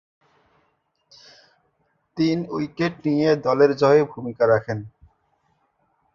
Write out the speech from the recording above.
তিন উইকেট নিয়ে দলের জয়ে ভূমিকা রাখেন।